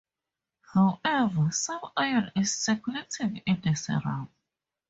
However, some iron is circulating in the serum.